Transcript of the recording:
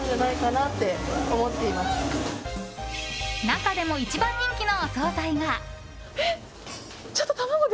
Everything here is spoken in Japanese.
中でも一番人気のお総菜が。